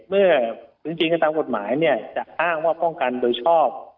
จริงกันตามกฎหมายเนี่ยจะอ้างว่าป้องกันโดยชอบ